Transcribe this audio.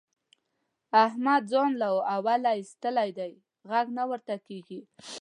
احمد ځان له اوله اېستلی دی؛ غږ نه ورته کېږي.